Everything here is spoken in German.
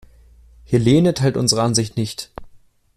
Helene teilt unsere Ansicht nicht.